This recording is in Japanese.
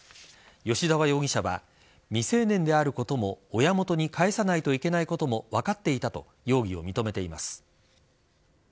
吉沢容疑者は未成年であることも親元に返さないといけないことも分かっていたと容疑を認めています。